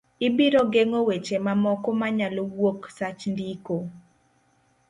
Ibiro geng'o weche mamoko ma nyalo wuok sach ndiko